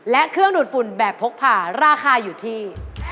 และเครื่องดูดฝุ่นแบบพกผ่าราคาอยู่ที่